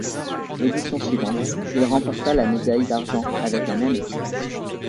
L'édition suivante, il remporta la médaille d'argent avec la même équipe.